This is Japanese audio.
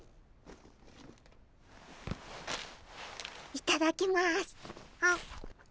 いただきます。